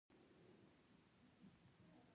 که نارینه وای نو ته دلته له کیبل سره نه شوای راتلای.